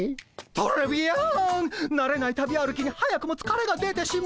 トレビアンなれない旅歩きに早くもつかれが出てしまった。